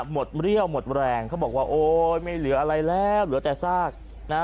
เรี่ยวหมดแรงเขาบอกว่าโอ๊ยไม่เหลืออะไรแล้วเหลือแต่ซากนะฮะ